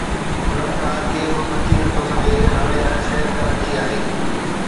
انهن کان ڪير به بچي نٿو سگهي هاڻي هر شهر ڪراچي آهي.